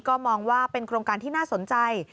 ก็มองว่าเป็นโครงการที่น่าสนใจ